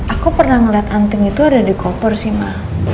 aku pernah ngeliat anting itu ada di koper sih mbak